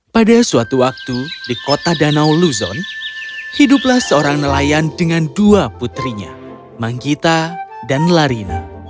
pada suatu waktu di kota danau luzon hiduplah seorang nelayan dengan dua putrinya manggita dan larina